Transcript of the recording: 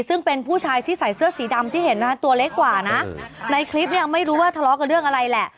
ซึ่งเป็นผู้ชายที่ใส่เสื้อสีดำที่เห็นนะตัวเล็กกว่านะในคลิปเนี่ยไม่รู้ว่าทะเลาะกับเรื่องอะไรแหละ